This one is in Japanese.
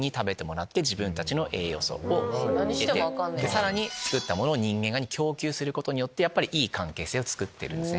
さらに作ったものを人間側に供給することによっていい関係性をつくってるんですね